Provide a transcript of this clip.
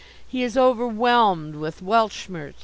He is overwhelmed with Weltschmerz.